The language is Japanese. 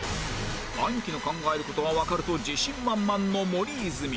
兄貴の考える事はわかると自信満々の森泉